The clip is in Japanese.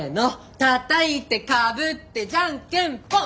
たたいてかぶってじゃんけんぽん！